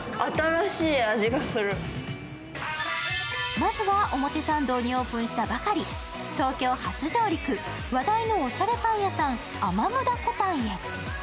まずは表参道にオープンしたばかり、東京初上陸、話題のおしゃれパン屋さん、ＡＭＡＭＤＡＣＯＴＡＮへ。